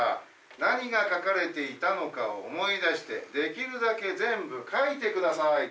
「何が描かれていたのかを思い出してできるだけ全部書いてください」